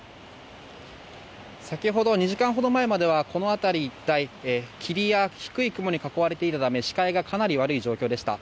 先ほど２時間ほど前まではこの辺り一帯霧や低い雲に囲まれていたため視界がかなり悪い状況でした。